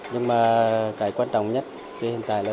nhưng mà cái quan trọng nhất thì hiện tại là